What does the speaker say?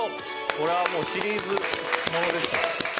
これはもうシリーズものですよね。